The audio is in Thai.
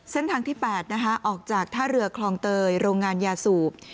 เส้นทางที่๘นะคะออกจากท่าเรือคลองเตยโรงงานยาสูบ